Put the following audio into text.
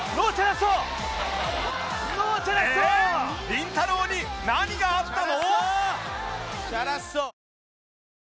りんたろー。に何があったの！？